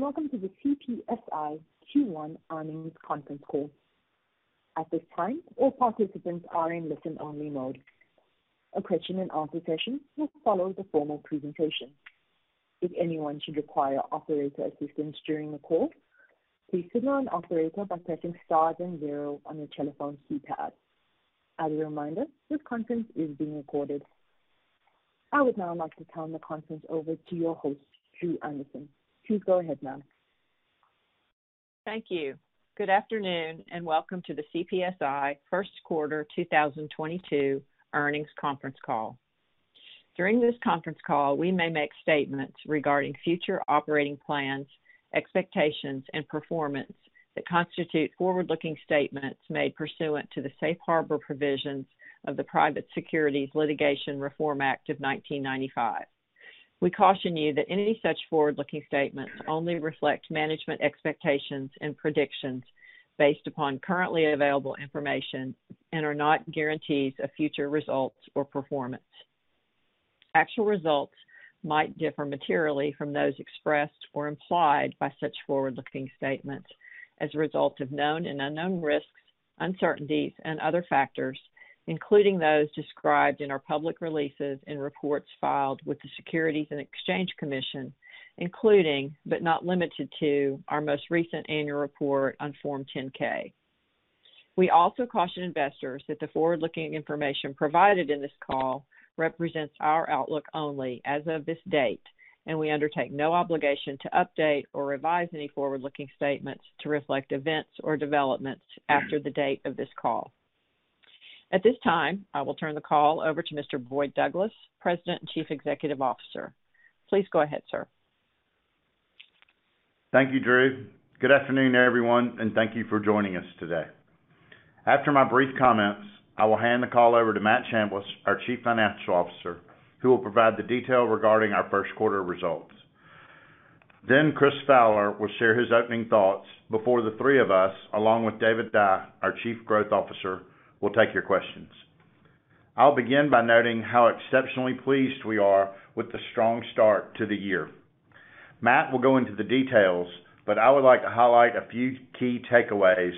Welcome to the CPSI Q1 Earnings Conference Call. At this time, all participants are in listen-only mode. A question and answer session will follow the formal presentation. If anyone should require operator assistance during the call, please signal an operator by pressing Star zero on your telephone keypad. As a reminder, this conference is being recorded. I would now like to turn the conference over to your host, Dru Anderson. Please go ahead, ma'am. Thank you. Good afternoon, and welcome to the CPSI first quarter 2022 earnings conference call. During this conference call, we may make statements regarding future operating plans, expectations, and performance that constitute forward-looking statements made pursuant to the safe harbor provisions of the Private Securities Litigation Reform Act of 1995. We caution you that any such forward-looking statements only reflect management expectations and predictions based upon currently available information and are not guarantees of future results or performance. Actual results might differ materially from those expressed or implied by such forward-looking statements as a result of known and unknown risks, uncertainties, and other factors, including those described in our public releases and reports filed with the Securities and Exchange Commission, including, but not limited to, our most recent annual report on Form 10-K. We also caution investors that the forward-looking information provided in this call represents our outlook only as of this date, and we undertake no obligation to update or revise any forward-looking statements to reflect events or developments after the date of this call. At this time, I will turn the call over to Mr. Boyd Douglas, President and Chief Executive Officer. Please go ahead, sir. Thank you, Dru. Good afternoon, everyone, and thank you for joining us today. After my brief comments, I will hand the call over to Matt Chambless, our Chief Financial Officer, who will provide the detail regarding our first quarter results. Then Chris Fowler will share his opening thoughts before the three of us, along with David Dye, our Chief Growth Officer, will take your questions. I'll begin by noting how exceptionally pleased we are with the strong start to the year. Matt will go into the details, but I would like to highlight a few key takeaways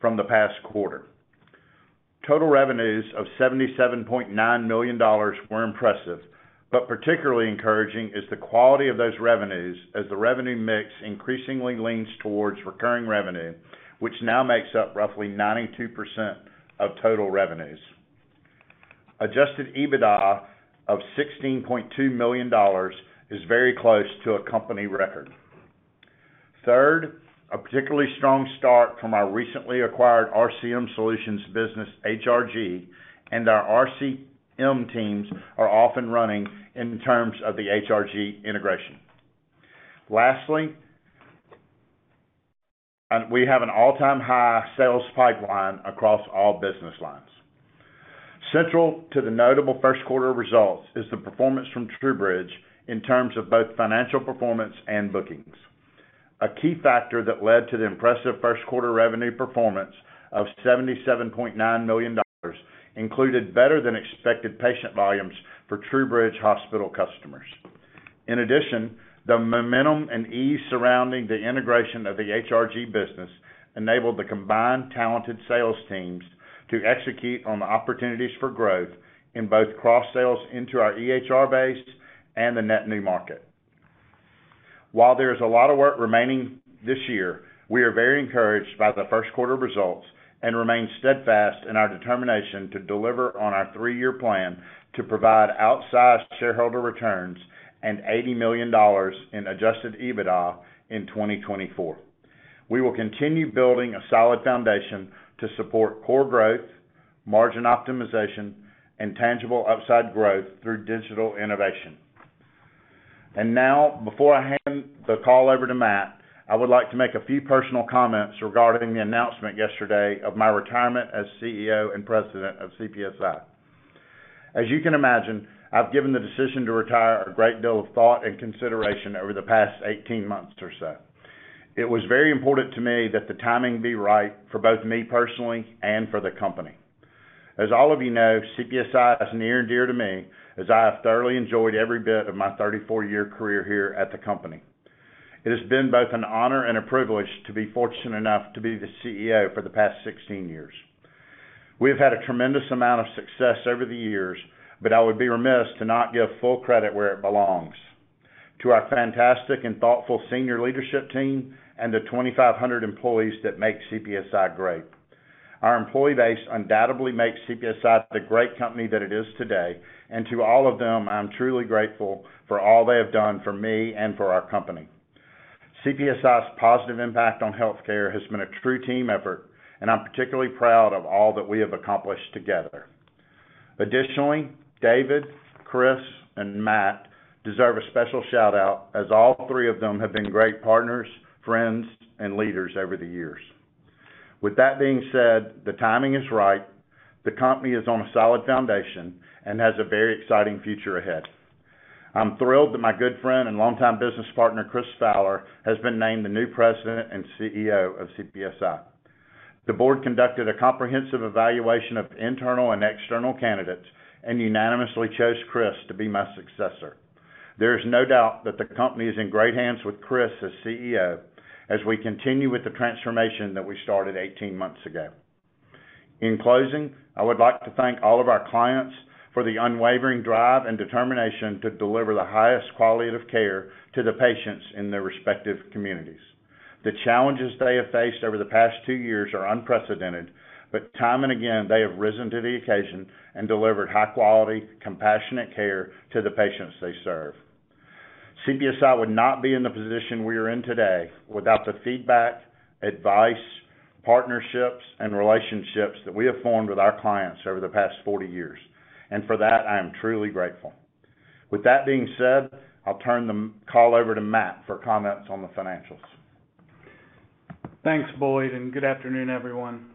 from the past quarter. Total revenues of $77.9 million were impressive, but particularly encouraging is the quality of those revenues as the revenue mix increasingly leans towards recurring revenue, which now makes up roughly 92% of total revenues. Adjusted EBITDA of $16.2 million is very close to a company record. Third, a particularly strong start from our recently acquired RCM Solutions business, HRG, and our RCM teams are off and running in terms of the HRG integration. Lastly, we have an all-time high sales pipeline across all business lines. Central to the notable first quarter results is the performance from TruBridge in terms of both financial performance and bookings. A key factor that led to the impressive first quarter revenue performance of $77.9 million included better than expected patient volumes for TruBridge hospital customers. In addition, the momentum and ease surrounding the integration of the HRG business enabled the combined talented sales teams to execute on the opportunities for growth in both cross sales into our EHR base and the net new market. While there is a lot of work remaining this year, we are very encouraged by the first quarter results and remain steadfast in our determination to deliver on our three-year plan to provide outsized shareholder returns and $80 million in adjusted EBITDA in 2024. We will continue building a solid foundation to support core growth, margin optimization, and tangible upside growth through digital innovation. Now, before I hand the call over to Matt, I would like to make a few personal comments regarding the announcement yesterday of my retirement as CEO and President of CPSI. As you can imagine, I've given the decision to retire a great deal of thought and consideration over the past 18 months or so. It was very important to me that the timing be right for both me personally and for the company. As all of you know, CPSI is near and dear to me as I have thoroughly enjoyed every bit of my 34-year career here at the company. It has been both an honor and a privilege to be fortunate enough to be the CEO for the past 16 years. We have had a tremendous amount of success over the years, but I would be remiss to not give full credit where it belongs, to our fantastic and thoughtful senior leadership team and the 2,500 employees that make CPSI great. Our employee base undoubtedly makes CPSI the great company that it is today, and to all of them, I am truly grateful for all they have done for me and for our company. CPSI's positive impact on healthcare has been a true team effort, and I'm particularly proud of all that we have accomplished together. Additionally, David, Chris, and Matt deserve a special shout-out as all three of them have been great partners, friends, and leaders over the years. With that being said, the timing is right, the company is on a solid foundation and has a very exciting future ahead. I'm thrilled that my good friend and longtime business partner, Chris Fowler, has been named the new president and CEO of CPSI. The board conducted a comprehensive evaluation of internal and external candidates and unanimously chose Chris to be my successor. There is no doubt that the company is in great hands with Chris as CEO as we continue with the transformation that we started 18 months ago. In closing, I would like to thank all of our clients for the unwavering drive and determination to deliver the highest quality of care to the patients in their respective communities. The challenges they have faced over the past two years are unprecedented, but time and again, they have risen to the occasion and delivered high quality, compassionate care to the patients they serve. CPSI would not be in the position we are in today without the feedback, advice, partnerships, and relationships that we have formed with our clients over the past 40 years. For that, I am truly grateful. With that being said, I'll turn the call over to Matt for comments on the financials. Thanks, Boyd, and good afternoon, everyone.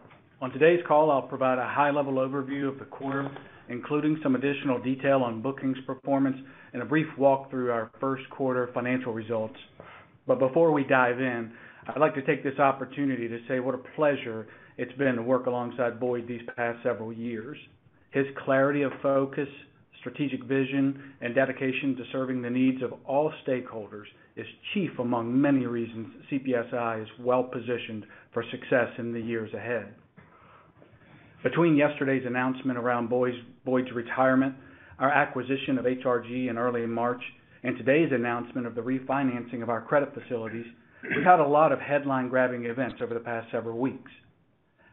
On today's call, I'll provide a high-level overview of the quarter, including some additional detail on bookings performance and a brief walk through our first quarter financial results. Before we dive in, I'd like to take this opportunity to say what a pleasure it's been to work alongside Boyd these past several years. His clarity of focus, strategic vision, and dedication to serving the needs of all stakeholders is chief among many reasons CPSI is well-positioned for success in the years ahead. Between yesterday's announcement around Boyd's retirement, our acquisition of HRG in early March, and today's announcement of the refinancing of our credit facilities, we've had a lot of headline-grabbing events over the past several weeks.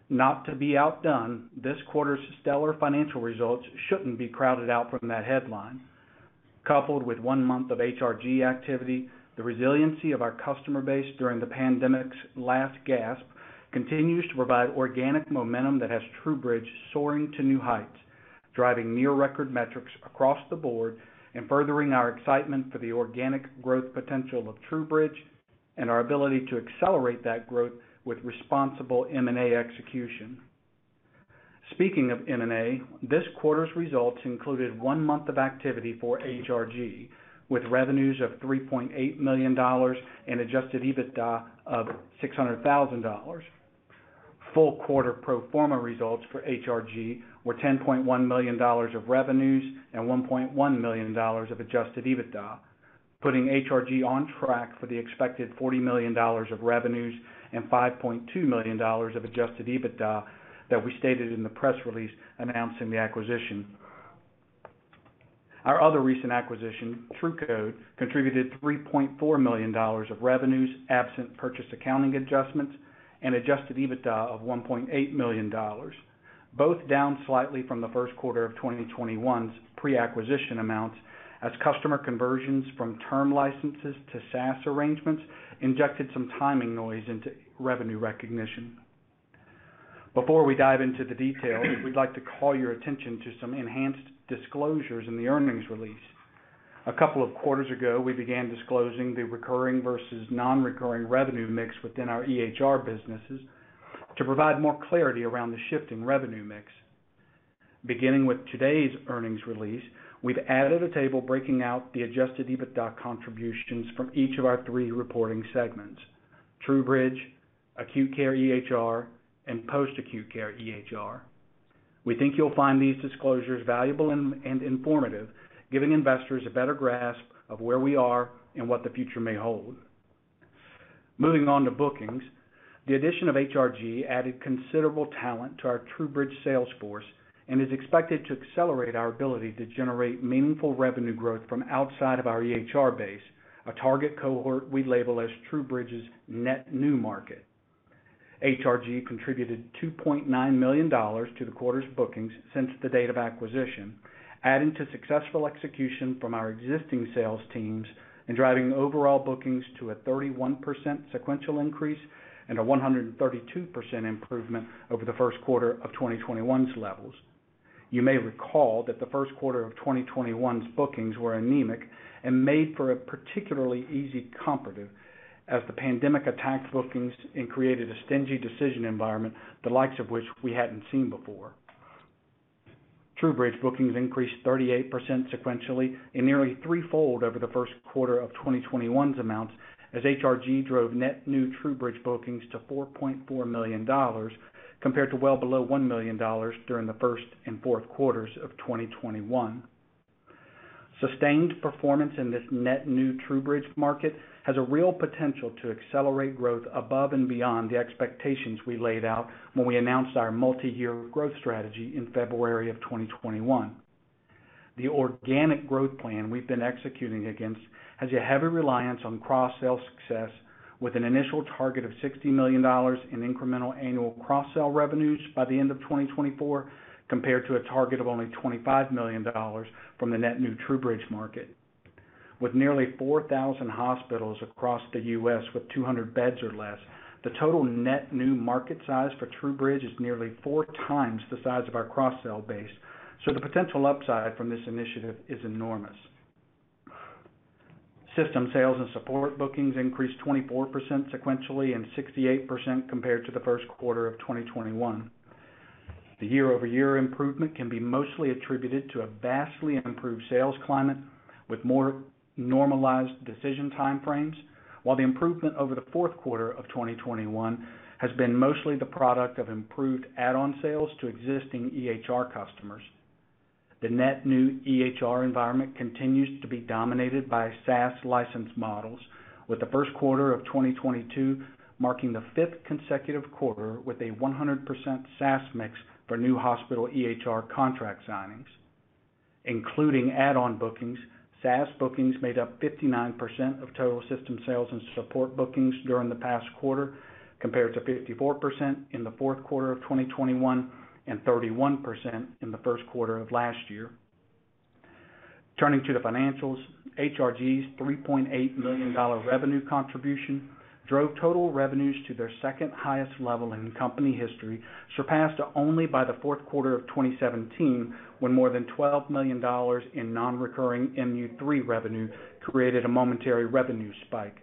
Not to be outdone, this quarter's stellar financial results shouldn't be crowded out from that headline. Coupled with one month of HRG activity, the resiliency of our customer base during the pandemic's last gasp continues to provide organic momentum that has TruBridge soaring to new heights, driving near-record metrics across the board and furthering our excitement for the organic growth potential of TruBridge and our ability to accelerate that growth with responsible M&A execution. Speaking of M&A, this quarter's results included one month of activity for HRG, with revenues of $3.8 million and Adjusted EBITDA of $600,000. Full quarter pro forma results for HRG were $10.1 million of revenues and $1.1 million of Adjusted EBITDA, putting HRG on track for the expected $40 million of revenues and $5.2 million of Adjusted EBITDA that we stated in the press release announcing the acquisition. Our other recent acquisition, TruCode, contributed $3.4 million of revenues, absent purchase accounting adjustments, and Adjusted EBITDA of $1.8 million, both down slightly from the first quarter of 2021's pre-acquisition amounts as customer conversions from term licenses to SaaS arrangements injected some timing noise into revenue recognition. Before we dive into the details, we'd like to call your attention to some enhanced disclosures in the earnings release. A couple of quarters ago, we began disclosing the recurring versus nonrecurring revenue mix within our EHR businesses to provide more clarity around the shift in revenue mix. Beginning with today's earnings release, we've added a table breaking out the Adjusted EBITDA contributions from each of our three reporting segments, TruBridge, Acute Care EHR, and Post-Acute Care EHR. We think you'll find these disclosures valuable and informative, giving investors a better grasp of where we are and what the future may hold. Moving on to bookings, the addition of HRG added considerable talent to our TruBridge sales force and is expected to accelerate our ability to generate meaningful revenue growth from outside of our EHR base, a target cohort we label as TruBridge's net new market. HRG contributed $2.9 million to the quarter's bookings since the date of acquisition, adding to successful execution from our existing sales teams and driving overall bookings to a 31% sequential increase and a 132% improvement over the first quarter of 2021's levels. You may recall that the first quarter of 2021's bookings were anemic and made for a particularly easy comparative as the pandemic attacked bookings and created a stingy decision environment, the likes of which we hadn't seen before. TruBridge bookings increased 38% sequentially and nearly threefold over the first quarter of 2021's amounts as HRG drove net new TruBridge bookings to $4.4 million, compared to well below $1 million during the first and fourth quarters of 2021. Sustained performance in this net new TruBridge market has a real potential to accelerate growth above and beyond the expectations we laid out when we announced our multi-year growth strategy in February of 2021. The organic growth plan we've been executing against has a heavy reliance on cross-sell success with an initial target of $60 million in incremental annual cross-sell revenues by the end of 2024, compared to a target of only $25 million from the net new TruBridge market. With nearly 4,000 hospitals across the U.S. with 200 beds or less, the total net new market size for TruBridge is nearly four times the size of our cross-sell base, so the potential upside from this initiative is enormous. System sales and support bookings increased 24% sequentially and 68% compared to the first quarter of 2021. The year-over-year improvement can be mostly attributed to a vastly improved sales climate with more normalized decision time frames. While the improvement over the fourth quarter of 2021 has been mostly the product of improved add-on sales to existing EHR customers. The net new EHR environment continues to be dominated by SaaS license models, with the first quarter of 2022 marking the fifth consecutive quarter with a 100% SaaS mix for new hospital EHR contract signings. Including add-on bookings, SaaS bookings made up 59% of total system sales and support bookings during the past quarter, compared to 54% in the fourth quarter of 2021 and 31% in the first quarter of last year. Turning to the financials, HRG's $3.8 million revenue contribution drove total revenues to their second-highest level in company history, surpassed only by the fourth quarter of 2017, when more than $12 million in non-recurring MU3 revenue created a momentary revenue spike.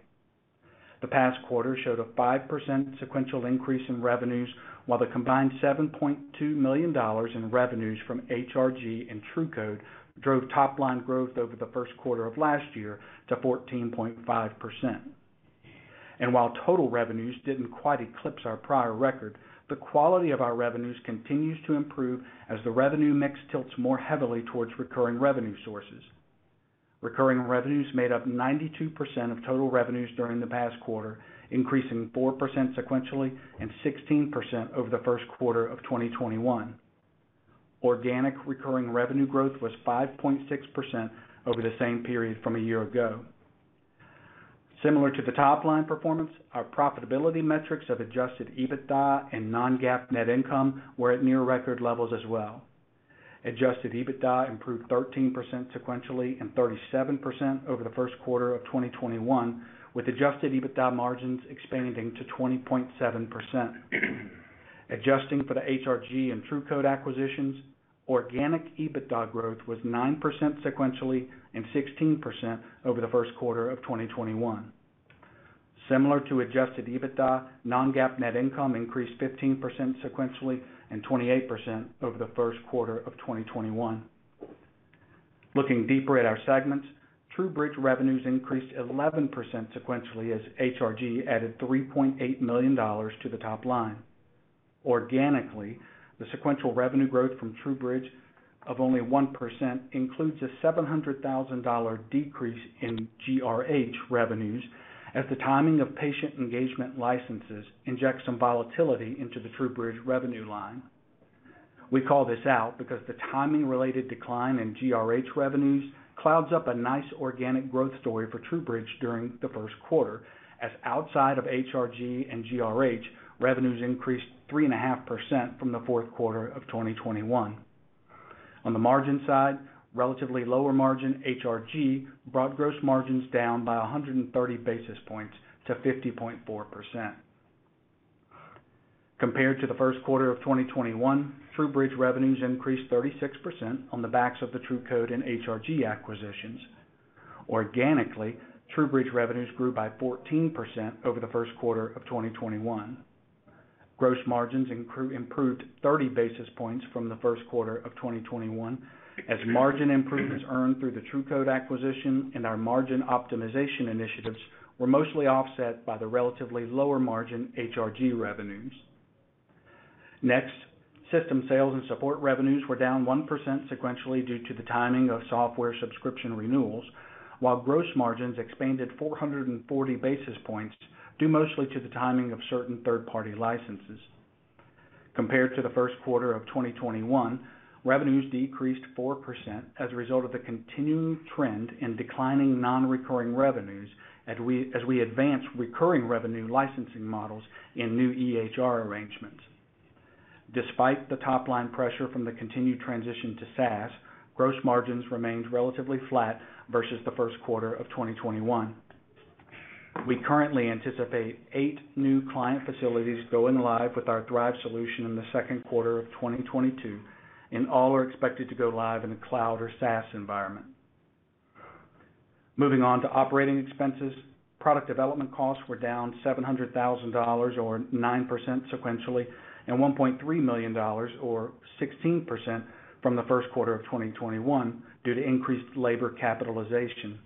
The past quarter showed a 5% sequential increase in revenues, while the combined $7.2 million in revenues from HRG and TruCode drove top line growth over the first quarter of last year to 14.5%. While total revenues didn't quite eclipse our prior record, the quality of our revenues continues to improve as the revenue mix tilts more heavily towards recurring revenue sources. Recurring revenues made up 92% of total revenues during the past quarter, increasing 4% sequentially and 16% over the first quarter of 2021. Organic recurring revenue growth was 5.6% over the same period from a year ago. Similar to the top line performance, our profitability metrics of Adjusted EBITDA and non-GAAP net income were at near record levels as well. Adjusted EBITDA improved 13% sequentially and 37% over the first quarter of 2021, with adjusted EBITDA margins expanding to 20.7%. Adjusting for the HRG and TruCode acquisitions, organic EBITDA growth was 9% sequentially and 16% over the first quarter of 2021. Similar to adjusted EBITDA, non-GAAP net income increased 15% sequentially and 28% over the first quarter of 2021. Looking deeper at our segments, TruBridge revenues increased 11% sequentially as HRG added $3.8 million to the top line. Organically, the sequential revenue growth from TruBridge of only 1% includes a $700,000 decrease in GRH revenues as the timing of patient engagement licenses inject some volatility into the TruBridge revenue line. We call this out because the timing related decline in HRG revenues clouds up a nice organic growth story for TruBridge during the first quarter, as outside of HRG, revenues increased 3.5% from the fourth quarter of 2021. On the margin side, relatively lower margin HRG brought gross margins down by 130 basis points to 50.4%. Compared to the first quarter of 2021, TruBridge revenues increased 36% on the backs of the TruCode and HRG acquisitions. Organically, TruBridge revenues grew by 14% over the first quarter of 2021. Gross margins improved 30 basis points from the first quarter of 2021, as margin improvements earned through the TruCode acquisition and our margin optimization initiatives were mostly offset by the relatively lower margin HRG revenues. Next, system sales and support revenues were down 1% sequentially due to the timing of software subscription renewals, while gross margins expanded 440 basis points, due mostly to the timing of certain third-party licenses. Compared to the first quarter of 2021, revenues decreased 4% as a result of the continuing trend in declining non-recurring revenues as we advance recurring revenue licensing models in new EHR arrangements. Despite the top line pressure from the continued transition to SaaS, gross margins remained relatively flat versus the first quarter of 2021. We currently anticipate 8 new client facilities going live with our Thrive solution in the second quarter of 2022, and all are expected to go live in a cloud or SaaS environment. Moving on to operating expenses, product development costs were down $700 thousand or 9% sequentially, and $1.3 million or 16% from the first quarter of 2021 due to increased labor capitalization.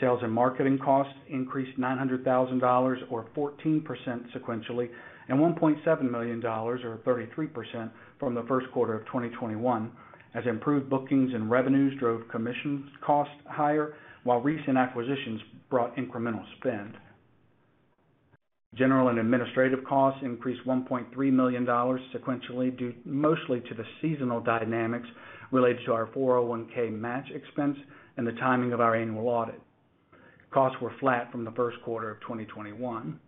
Sales and marketing costs increased $900 thousand or 14% sequentially, and $1.7 million or 33% from the first quarter of 2021, as improved bookings and revenues drove commissions costs higher, while recent acquisitions brought incremental spend. General and administrative costs increased $1.3 million sequentially, due mostly to the seasonal dynamics related to our 401(k) match expense and the timing of our annual audit. Costs were flat from the first quarter of 2021.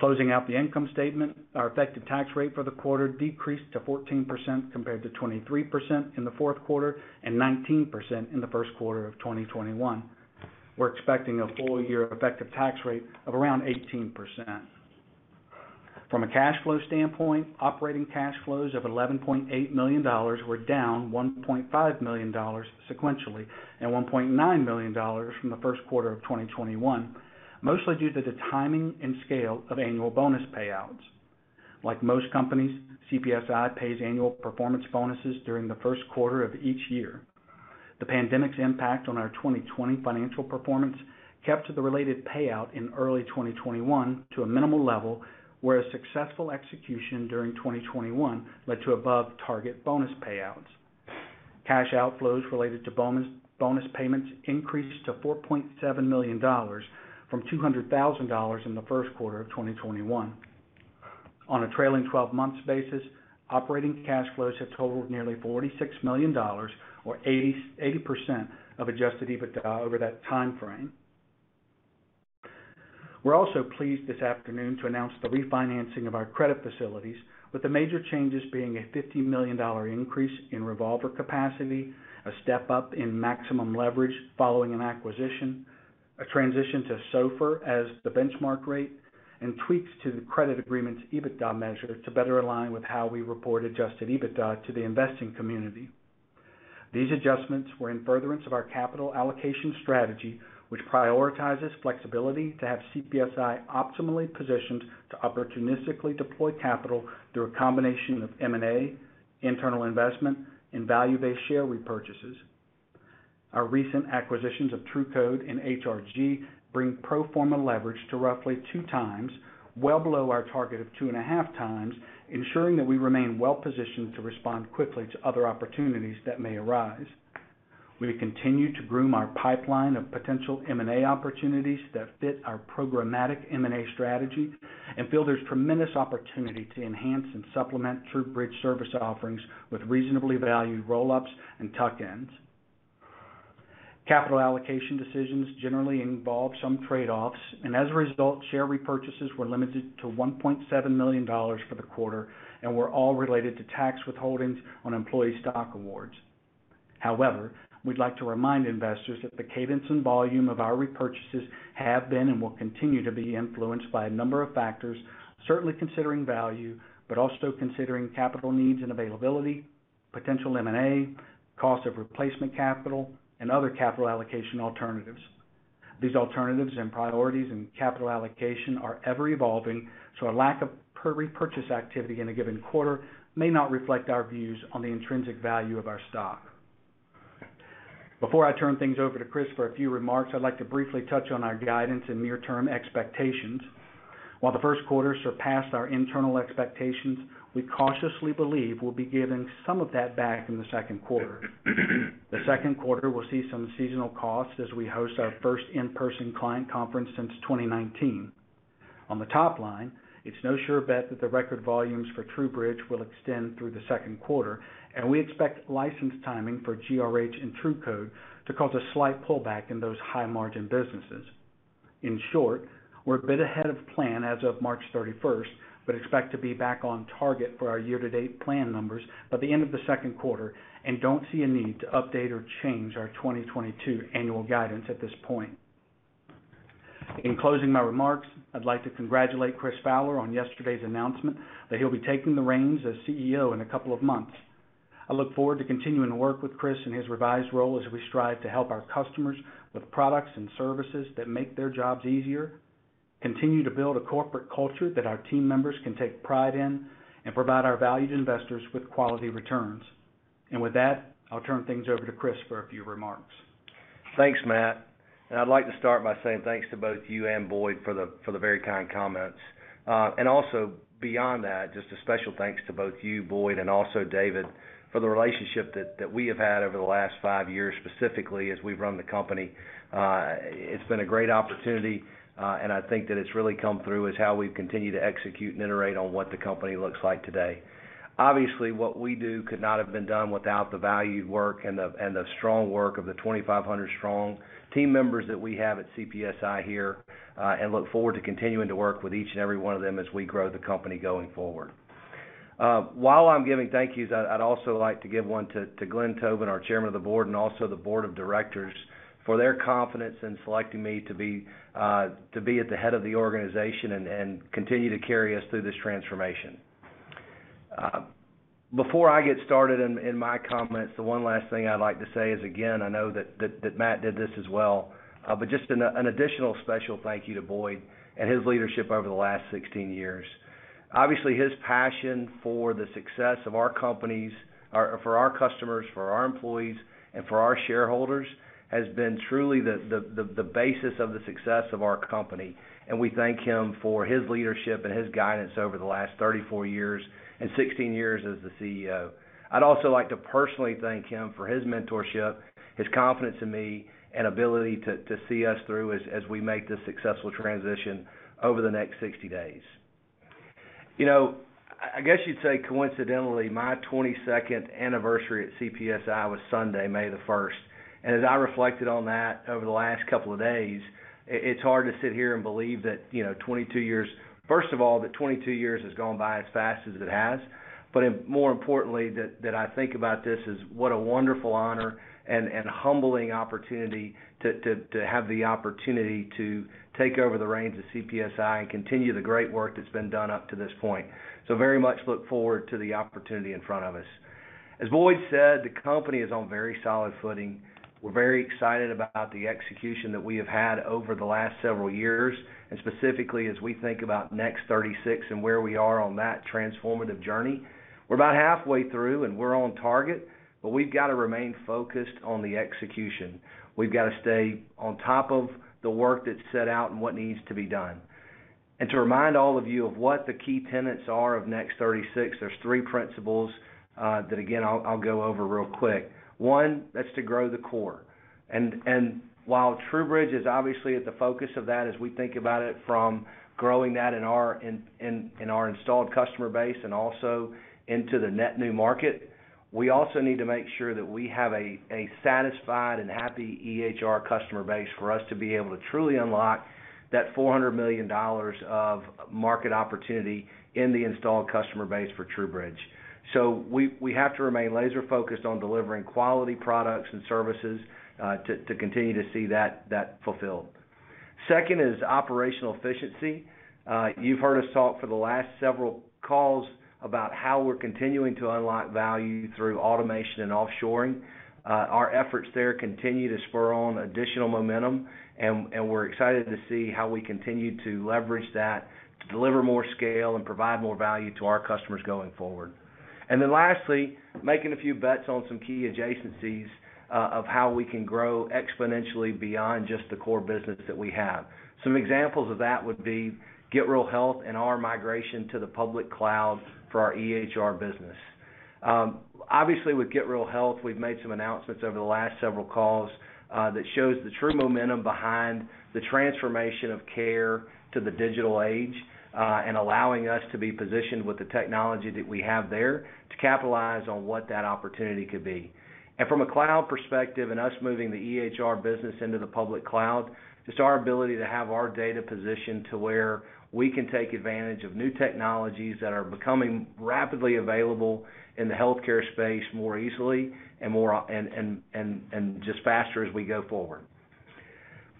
Closing out the income statement, our effective tax rate for the quarter decreased to 14% compared to 23% in the fourth quarter and 19% in the first quarter of 2021. We're expecting a full year effective tax rate of around 18%. From a cash flow standpoint, operating cash flows of $11.8 million were down $1.5 million sequentially and $1.9 million from the first quarter of 2021, mostly due to the timing and scale of annual bonus payouts. Like most companies, CPSI pays annual performance bonuses during the first quarter of each year. The pandemic's impact on our 2020 financial performance kept the related payout in early 2021 to a minimal level, where a successful execution during 2021 led to above-target bonus payouts. Cash outflows related to bonus payments increased to $4.7 million from $200,000 in the first quarter of 2021. On a trailing twelve months basis, operating cash flows have totaled nearly $46 million or 80% of adjusted EBITDA over that timeframe. We're also pleased this afternoon to announce the refinancing of our credit facilities, with the major changes being a $50 million increase in revolver capacity, a step-up in maximum leverage following an acquisition, a transition to SOFR as the benchmark rate, and tweaks to the credit agreement's EBITDA measure to better align with how we report adjusted EBITDA to the investing community. These adjustments were in furtherance of our capital allocation strategy, which prioritizes flexibility to have CPSI optimally positioned to opportunistically deploy capital through a combination of M&A, internal investment, and value-based share repurchases. Our recent acquisitions of TruCode and HRG bring pro forma leverage to roughly 2x, well below our target of 2.5x, ensuring that we remain well-positioned to respond quickly to other opportunities that may arise. We continue to groom our pipeline of potential M&A opportunities that fit our programmatic M&A strategy and feel there's tremendous opportunity to enhance and supplement TruBridge service offerings with reasonably valued roll-ups and tuck-ins. Capital allocation decisions generally involve some trade-offs, and as a result, share repurchases were limited to $1.7 million for the quarter and were all related to tax withholdings on employee stock awards. However, we'd like to remind investors that the cadence and volume of our repurchases have been and will continue to be influenced by a number of factors, certainly considering value, but also considering capital needs and availability, potential M&A, cost of replacement capital, and other capital allocation alternatives. These alternatives and priorities in capital allocation are ever-evolving, so a lack of share repurchase activity in a given quarter may not reflect our views on the intrinsic value of our stock. Before I turn things over to Chris for a few remarks, I'd like to briefly touch on our guidance and near-term expectations. While the first quarter surpassed our internal expectations, we cautiously believe we'll be giving some of that back in the second quarter. The second quarter will see some seasonal costs as we host our first in-person client conference since 2019. On the top line, it's no sure bet that the record volumes for TruBridge will extend through the second quarter, and we expect license timing for GRH and TruCode to cause a slight pullback in those high-margin businesses. In short, we're a bit ahead of plan as of March thirty-first, but expect to be back on target for our year-to-date plan numbers by the end of the second quarter and don't see a need to update or change our 2022 annual guidance at this point. In closing my remarks, I'd like to congratulate Chris Fowler on yesterday's announcement that he'll be taking the reins as CEO in a couple of months. I look forward to continuing to work with Chris in his revised role as we strive to help our customers with products and services that make their jobs easier, continue to build a corporate culture that our team members can take pride in, and provide our valued investors with quality returns. With that, I'll turn things over to Chris for a few remarks. Thanks, Matt. I'd like to start by saying thanks to both you and Boyd for the very kind comments. Also beyond that, just a special thanks to both you, Boyd, and also David for the relationship that we have had over the last five years, specifically as we've run the company. It's been a great opportunity, and I think that it's really come through as how we've continued to execute and iterate on what the company looks like today. Obviously, what we do could not have been done without the valued work and the strong work of the 2,500 strong team members that we have at CPSI here, and look forward to continuing to work with each and every one of them as we grow the company going forward. While I'm giving thank yous, I'd also like to give one to Glenn Tobin, our Chairman of the Board, and also the board of directors for their confidence in selecting me to be at the head of the organization and continue to carry us through this transformation. Before I get started in my comments, the one last thing I'd like to say is, again, I know that Matt did this as well, but just an additional special thank you to Boyd and his leadership over the last 16 years. Obviously, his passion for the success of our companies, or for our customers, for our employees, and for our shareholders has been truly the basis of the success of our company, and we thank him for his leadership and his guidance over the last 34 years and 16 years as the CEO. I'd also like to personally thank him for his mentorship, his confidence in me, and ability to see us through as we make this successful transition over the next 60 days. You know, I guess you'd say coincidentally, my 22nd anniversary at CPSI was Sunday, May 1, and as I reflected on that over the last couple of days, it's hard to sit here and believe that, you know, 22 years, first of all, that 22 years has gone by as fast as it has, but more importantly, I think about this as what a wonderful honor and humbling opportunity to have the opportunity to take over the reins of CPSI and continue the great work that's been done up to this point. Very much look forward to the opportunity in front of us. As Boyd said, the company is on very solid footing. We're very excited about the execution that we have had over the last several years, and specifically as we think about Next Thirty-Six and where we are on that transformative journey. We're about halfway through and we're on target, but we've got to remain focused on the execution. We've got to stay on top of the work that's set out and what needs to be done. To remind all of you of what the key tenets are of Next Thirty-Six, there's three principles that again, I'll go over real quick. One, that's to grow the core. While TruBridge is obviously at the focus of that as we think about it from growing that in our installed customer base and also into the net new market, we also need to make sure that we have a satisfied and happy EHR customer base for us to be able to truly unlock that $400 million of market opportunity in the installed customer base for TruBridge. We have to remain laser-focused on delivering quality products and services to continue to see that fulfilled. Second is operational efficiency. You've heard us talk for the last several calls about how we're continuing to unlock value through automation and offshoring. Our efforts there continue to spur on additional momentum, and we're excited to see how we continue to leverage that to deliver more scale and provide more value to our customers going forward. Lastly, making a few bets on some key adjacencies, of how we can grow exponentially beyond just the core business that we have. Some examples of that would be Get Real Health and our migration to the public cloud for our EHR business. Obviously, with Get Real Health, we've made some announcements over the last several calls, that shows the true momentum behind the transformation of care to the digital age, and allowing us to be positioned with the technology that we have there to capitalize on what that opportunity could be. From a cloud perspective and us moving the EHR business into the public cloud, just our ability to have our data positioned to where we can take advantage of new technologies that are becoming rapidly available in the healthcare space more easily and more just faster as we go forward.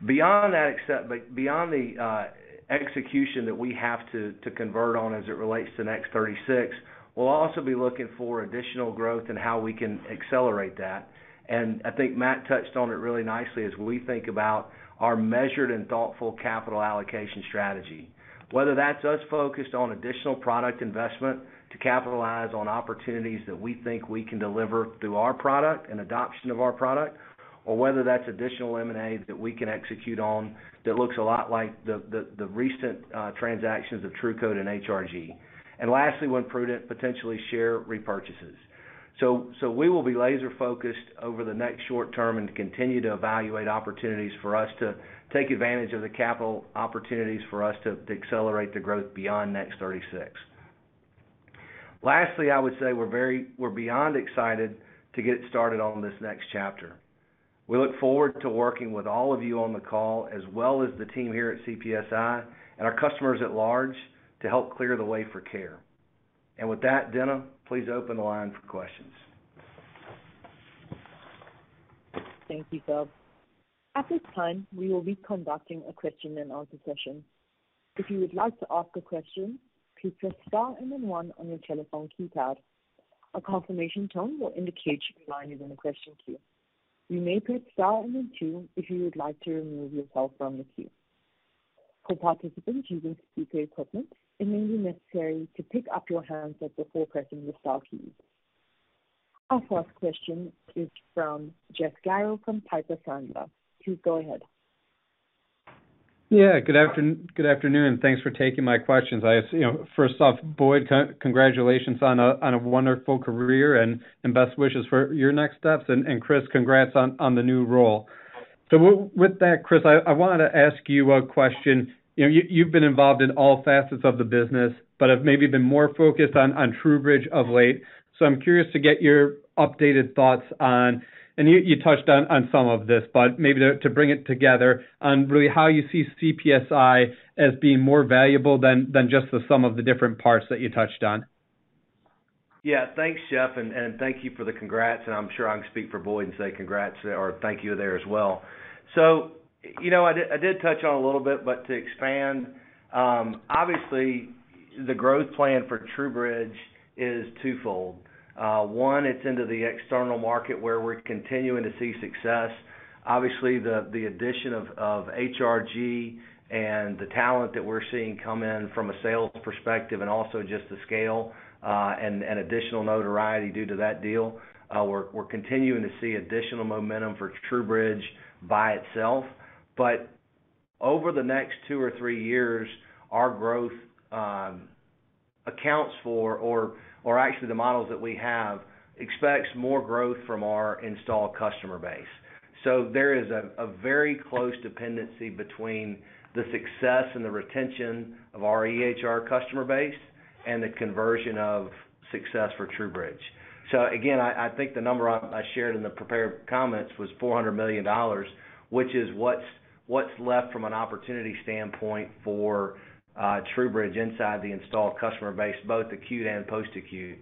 Beyond the execution that we have to convert on as it relates to Next Thirty-Six, we'll also be looking for additional growth and how we can accelerate that. I think Matt touched on it really nicely as we think about our measured and thoughtful capital allocation strategy. Whether that's us focused on additional product investment to capitalize on opportunities that we think we can deliver through our product and adoption of our product, or whether that's additional M&A that we can execute on that looks a lot like the recent transactions of TruCode and HRG. Lastly, when prudent, potentially share repurchases. We will be laser-focused over the next short term and continue to evaluate opportunities for us to take advantage of the capital opportunities for us to accelerate the growth beyond Next Thirty-Six. Lastly, I would say we're beyond excited to get started on this next chapter. We look forward to working with all of you on the call, as well as the team here at CPSI and our customers at large to help clear the way for care. With that, Dina, please open the line for questions. Thank you, Fowler. At this time, we will be conducting a question and answer session. If you would like to ask a question, please press star and then one on your telephone keypad. A confirmation tone will indicate your line is in the question queue. You may press star and then two if you would like to remove yourself from the queue. For participants using speaker equipment, it may be necessary to pick up your handset before pressing the star key. Our first question is from Jeff Garro from Piper Sandler. Please go ahead. Yeah, good afternoon. Thanks for taking my questions. I just, you know, first off, Boyd, congratulations on a wonderful career and best wishes for your next steps. Chris, congrats on the new role. With that, Chris, I wanted to ask you a question. You've been involved in all facets of the business, but have maybe been more focused on TruBridge of late. I'm curious to get your updated thoughts on. You touched on some of this, but maybe to bring it together on really how you see CPSI as being more valuable than just the sum of the different parts that you touched on. Yeah. Thanks, Jeff. Thank you for the congrats. I'm sure I can speak for Boyd and say congrats or thank you there as well. I did touch on a little bit, but to expand, obviously, the growth plan for TruBridge is twofold. One, it's into the external market where we're continuing to see success. Obviously, the addition of HRG and the talent that we're seeing come in from a sales perspective and also just the scale and additional notoriety due to that deal, we're continuing to see additional momentum for TruBridge by itself. Over the next two or three years, our growth accounts for, or actually, the models that we have expects more growth from our installed customer base. There is a very close dependency between the success and the retention of our EHR customer base and the conversion of success for TruBridge. Again, I think the number I shared in the prepared comments was $400 million, which is what's left from an opportunity standpoint for TruBridge inside the installed customer base, both acute and post-acute.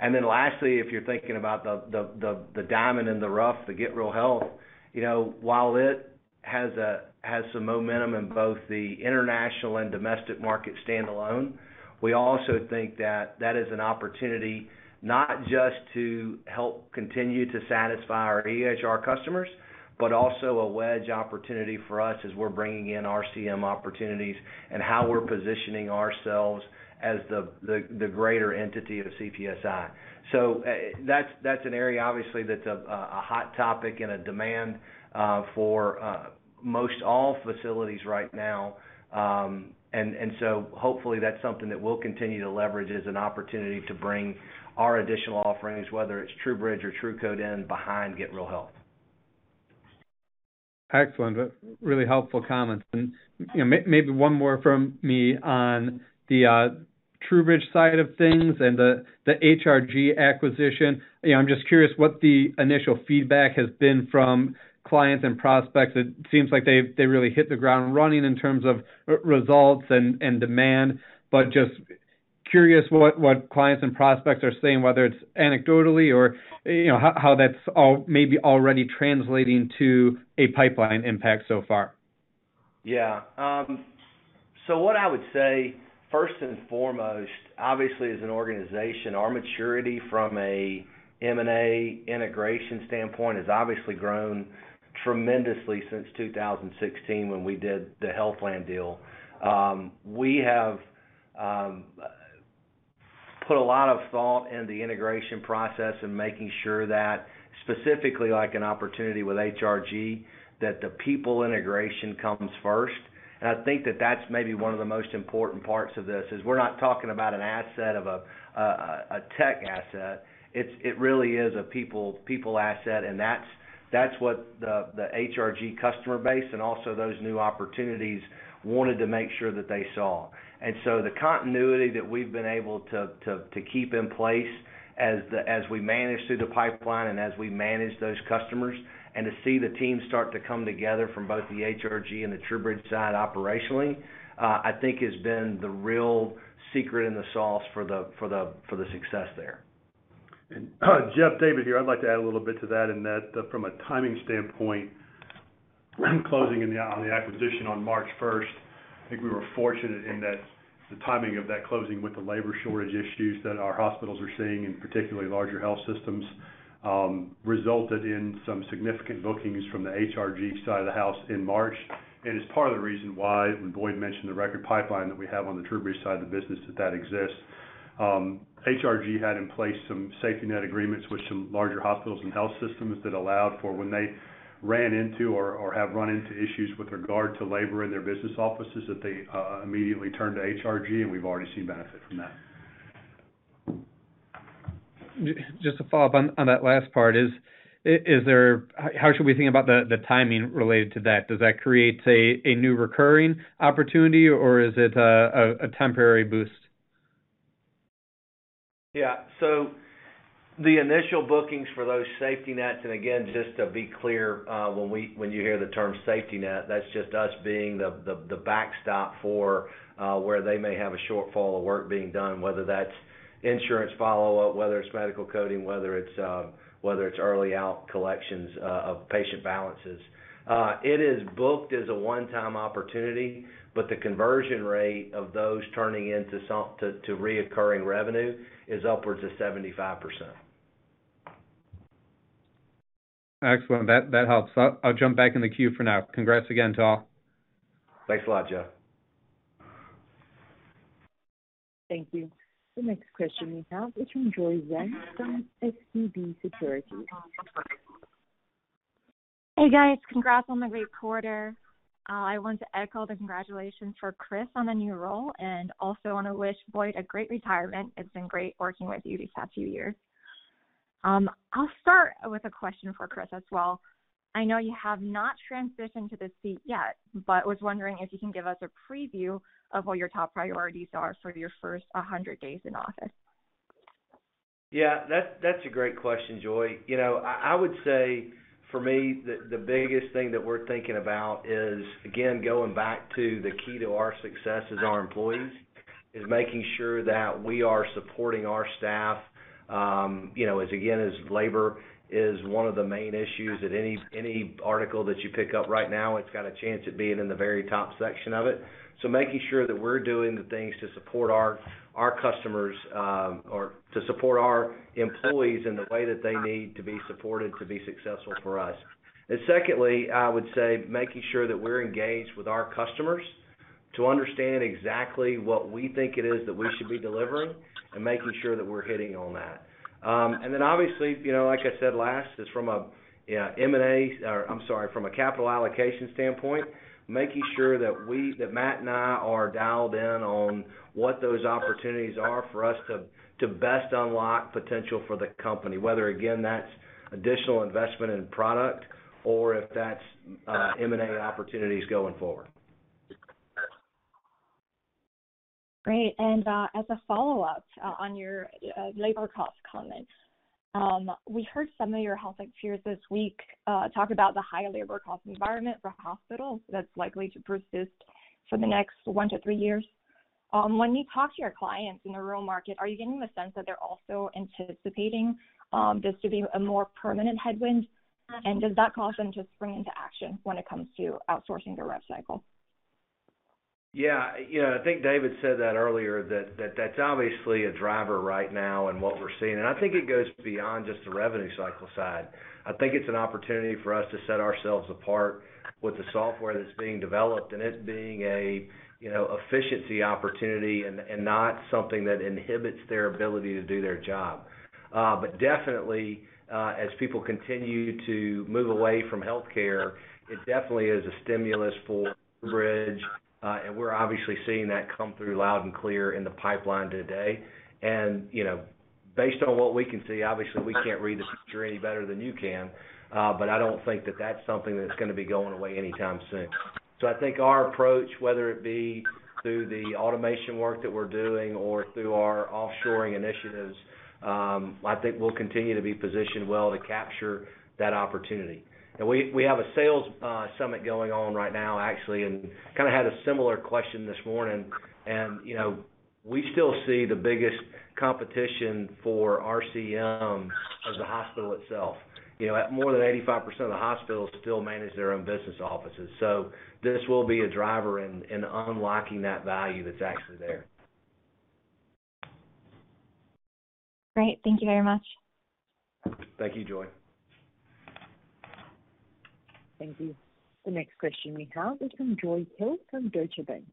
Then lastly, if you're thinking about the diamond in the rough, the Get Real Health, you know, while it has a has some momentum in both the international and domestic market standalone. We also think that that is an opportunity not just to help continue to satisfy our EHR customers, but also a wedge opportunity for us as we're bringing in RCM opportunities and how we're positioning ourselves as the greater entity of CPSI. That's an area obviously that's a hot topic and a demand for most all facilities right now. Hopefully that's something that we'll continue to leverage as an opportunity to bring our additional offerings, whether it's TruBridge or TruCode in behind Get Real Health. Excellent. Really helpful comments. You know, maybe one more from me on the TruBridge side of things and the HRG acquisition. You know, I'm just curious what the initial feedback has been from clients and prospects. It seems like they really hit the ground running in terms of results and demand. Just curious what clients and prospects are saying, whether it's anecdotally or, you know, how that's all maybe already translating to a pipeline impact so far. Yeah. So what I would say first and foremost, obviously as an organization, our maturity from a M&A integration standpoint has obviously grown tremendously since 2016 when we did the Healthland deal. We have put a lot of thought in the integration process and making sure that specifically like an opportunity with HRG, that the people integration comes first. I think that that's maybe one of the most important parts of this, is we're not talking about an asset, a tech asset. It really is a people asset, and that's what the HRG customer base and also those new opportunities wanted to make sure that they saw. The continuity that we've been able to to keep in place as we manage through the pipeline and as we manage those customers, and to see the teams start to come together from both the HRG and the TruBridge side operationally, I think has been the real secret in the sauce for the success there. Jeff, David here. I'd like to add a little bit to that, in that from a timing standpoint, closing on the acquisition on March first, I think we were fortunate in that the timing of that closing with the labor shortage issues that our hospitals are seeing, and particularly larger health systems, resulted in some significant bookings from the HRG side of the house in March. Is part of the reason why when Boyd mentioned the record pipeline that we have on the TruBridge side of the business that exists. HRG had in place some safety net agreements with some larger hospitals and health systems that allowed for when they ran into or have run into issues with regard to labor in their business offices, that they immediately turn to HRG, and we've already seen benefit from that. Just to follow up on that last part, how should we think about the timing related to that? Does that create, say, a new recurring opportunity, or is it a temporary boost? Yeah. The initial bookings for those safety nets, and again, just to be clear, when you hear the term safety net, that's just us being the backstop for where they may have a shortfall of work being done, whether that's insurance follow-up, whether it's medical coding, whether it's early out collections of patient balances. It is booked as a one-time opportunity, but the conversion rate of those turning into recurring revenue is upwards of 75%. Excellent. That helps. I'll jump back in the queue for now. Congrats again to all. Thanks a lot, Jeff. Thank you. The next question we have is from Joy Yang from SVB Securities. Hey, guys. Congrats on the great quarter. I want to echo the congratulations for Chris on the new role and also wanna wish Boyd a great retirement. It's been great working with you these past few years. I'll start with a question for Chris as well. I know you have not transitioned to the seat yet, but was wondering if you can give us a preview of what your top priorities are for your first 100 days in office. Yeah, that's a great question, Joy. You know, I would say for me, the biggest thing that we're thinking about is, again, going back to the key to our success is our employees. Making sure that we are supporting our staff, you know, as labor is one of the main issues at any article that you pick up right now, it's got a chance at being in the very top section of it. Making sure that we're doing the things to support our customers or to support our employees in the way that they need to be supported to be successful for us. Secondly, I would say making sure that we're engaged with our customers to understand exactly what we think it is that we should be delivering and making sure that we're hitting on that. Obviously, you know, like I said last is from a capital allocation standpoint, making sure that Matt and I are dialed in on what those opportunities are for us to best unlock potential for the company, whether again, that's additional investment in product or if that's M&A opportunities going forward. Great. As a follow-up on your labor cost comment, we heard some of your health peers this week talk about the high labor cost environment for hospitals that's likely to persist for the next one to three years. When you talk to your clients in the rural market, are you getting the sense that they're also anticipating this to be a more permanent headwind? Does that cause them to spring into action when it comes to outsourcing their rev cycle? Yeah. Yeah. I think David said that earlier, that's obviously a driver right now and what we're seeing. I think it goes beyond just the revenue cycle side. I think it's an opportunity for us to set ourselves apart with the software that's being developed and it being a, you know, efficiency opportunity and not something that inhibits their ability to do their job. But definitely, as people continue to move away from healthcare, it definitely is a stimulus for TruBridge. We're obviously seeing that come through loud and clear in the pipeline today. You know, based on what we can see, obviously, we can't read the future any better than you can, but I don't think that's something that's gonna be going away anytime soon. I think our approach, whether it be through the automation work that we're doing or through our offshoring initiatives, I think we'll continue to be positioned well to capture that opportunity. We have a sales summit going on right now, actually, and kind of had a similar question this morning. You know, we still see the biggest competition for RCM as a hospital itself. You know, at more than 85% of the hospitals still manage their own business offices. This will be a driver in unlocking that value that's actually there. Great. Thank you very much. Thank you, Joy. Thank you. The next question we have is from George Hill from Deutsche Bank.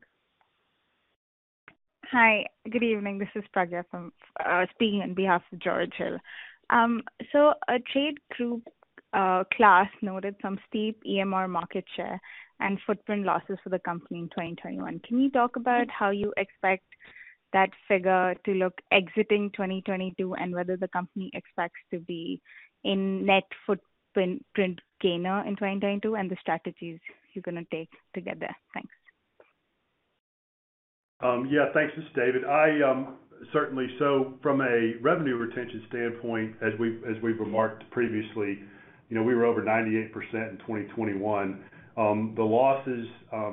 Hi. Good evening. This is Pragya speaking on behalf of George Hill. A trade group, KLAS noted some steep EMR market share and footprint losses for the company in 2021. Can you talk about how you expect that figure to look exiting 2022, and whether the company expects to be a net footprint gainer in 2022, and the strategies you're gonna take to get there? Thanks. Yeah. Thanks. This is David Dye. From a revenue retention standpoint, as we've remarked previously, you know, we were over 98% in 2021. The losses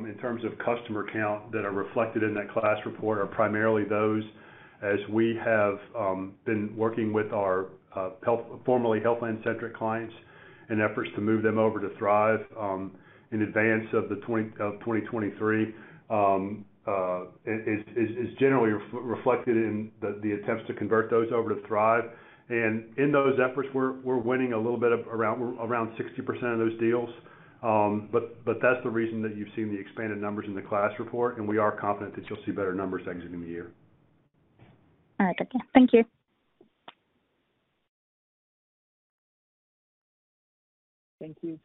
in terms of customer count that are reflected in that KLAS report are primarily those as we have been working with our formerly Healthland-centric clients in efforts to move them over to Thrive in advance of 2023 is generally reflected in the attempts to convert those over to Thrive. In those efforts, we're winning a little bit of around 60% of those deals. That's the reason that you've seen the expanded numbers in the KLAS report, and we are confident that you'll see better numbers exiting the year. All right. Okay. Thank you. Thank you.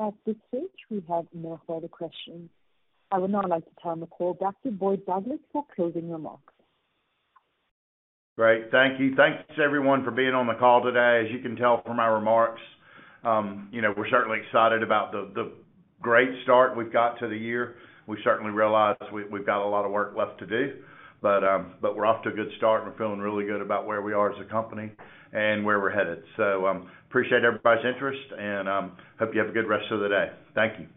At this stage, we have no further questions. I would now like to turn the call back to Boyd Douglas for closing remarks. Great. Thank you. Thanks, everyone, for being on the call today. As you can tell from my remarks, you know, we're certainly excited about the great start we've got to the year. We certainly realize we've got a lot of work left to do, but we're off to a good start. We're feeling really good about where we are as a company and where we're headed. Appreciate everybody's interest and hope you have a good rest of the day. Thank you.